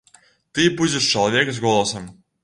Ты будзеш чалавек з голасам.